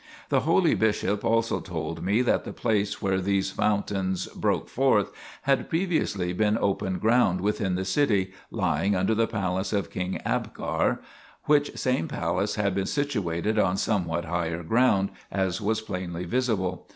The holy Bishop also told me that the place where these fountains broke forth had previously been open ground within the city, lying under the palace of King Abgar, which same palace had been situated on somewhat higher ground, as was plainly visible.